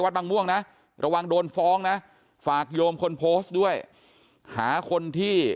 บางม่วงนะระวังโดนฟ้องนะฝากโยมคนโพสต์ด้วยหาคนที่